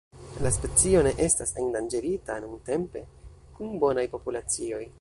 La specio ne estas endanĝerita nuntempe, kun bonaj populacioj.